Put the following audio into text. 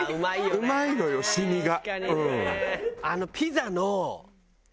うまいのよ染みが。